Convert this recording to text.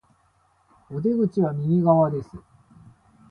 お出口は右側です